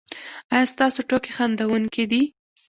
ایا ستاسو ټوکې خندونکې دي؟